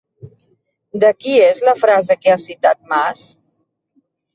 De qui és la frase que ha citat Mas?